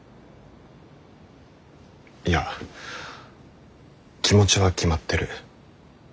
いや気持ちは決まってる。